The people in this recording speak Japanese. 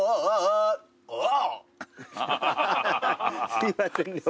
すいません。